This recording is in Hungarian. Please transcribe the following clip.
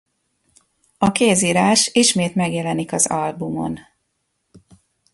A kézírás ismét megjelenik az albumon.